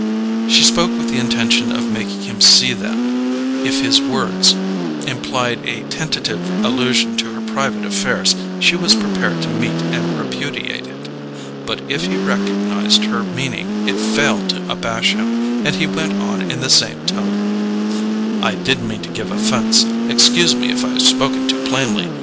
She spoke with the intention of making him see that, if his words implied a tentative allusion to her private affairs, she was prepared to meet and repudiate it. But if he recognized her meaning it failed to abash him, and he went on in the same tone: "I didn't mean to give offence; excuse me if I've spoken too plainly.